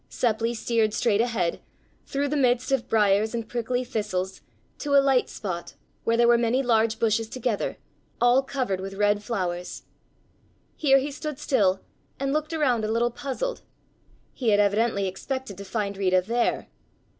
Seppli steered straight ahead, through the midst of briers and prickly thistles, to a light spot, where there were many large bushes together, all covered with red flowers. Here he stood still and looked around a little puzzled. He had evidently expected to find Rita there.